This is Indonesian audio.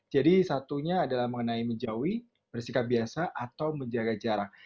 jadi satunya adalah mengenai menjauhi bersikap biasa atau menjaga jarak